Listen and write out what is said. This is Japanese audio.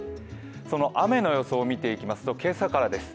その雨の予想を見ていきますと、今朝からです。